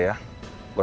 ya udah kalau begitu